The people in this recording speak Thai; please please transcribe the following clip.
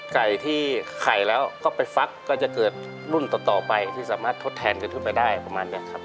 ไก่ที่ไข่แล้วก็ไปฟักก็จะเกิดรุ่นต่อไปที่สามารถทดแทนกันขึ้นไปได้ประมาณนี้ครับ